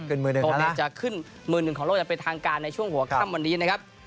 โปรเมฆจะขึ้นมือหนึ่งของโลกจะเป็นทางการในช่วงหัวข้ามวันนี้นะครับ